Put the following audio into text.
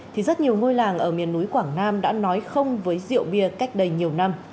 thì rất nhiều ngôi làng ở miền núi quảng nam đã nói không với rượu bia cách đây nhiều năm